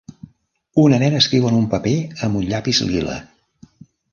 Una nena escriu en un paper amb un llapis lila.